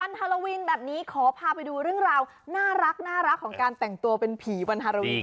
ฮาโลวินแบบนี้ขอพาไปดูเรื่องราวน่ารักของการแต่งตัวเป็นผีวันฮาราวี